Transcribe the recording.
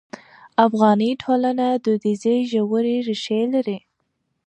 افغاني ټولنه دودیزې ژورې ریښې لري.